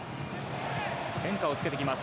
変化をつけてきます。